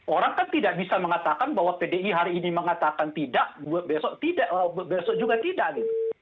orang kan tidak bisa mengatakan bahwa pdi hari ini mengatakan tidak besok juga tidak